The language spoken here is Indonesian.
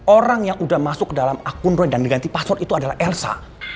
orang yang sudah masuk dalam akun roy dan diganti password itu adalah elsa